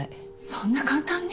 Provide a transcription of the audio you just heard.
そんな簡単に？